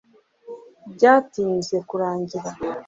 Byatinze kurangira